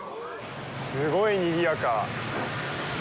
すごいにぎやか！